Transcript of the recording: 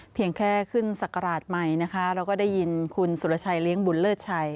เพียงแค่ขึ้นศักราชใหม่นะคะเราก็ได้ยินคุณสุรชัยเลี้ยงบุญเลิศชัย